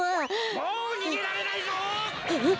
・もうにげられないぞ！はっ！